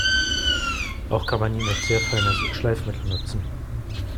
Auch kann man ihn als sehr feines Schleifmittel nutzen.